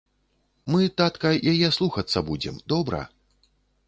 Мы, татка, яе слухацца будзем, добра?